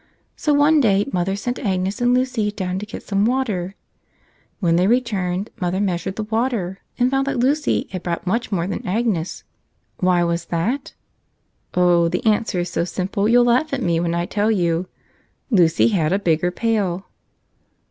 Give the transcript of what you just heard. So one day mother sent Agnes and Lucy down to get some water. When they re¬ turned, mother measured the water and found that Lucy had brought much more than Agnes. Why was that? Oh, the answer is so simple you'll laugh at me when I tell you. Lucy had a bigger pail